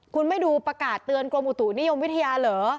คุณไม่ดูประกาศเตือนกรมอุตุนิยมวิทยาเหรอ